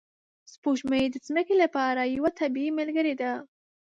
سپوږمۍ د ځمکې لپاره یوه طبیعي ملګرې ده